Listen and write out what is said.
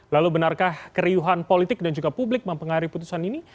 lalu benarkah keriuhan politik dan juga publik mempengaruhi putusan ini